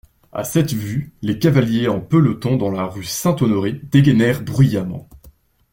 A cette vue, les cavaliers en peloton dans la rue Saint-Honoré dégainèrent bruyamment.